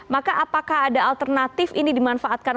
maka apakah ada alternatif ini dimanfaatkan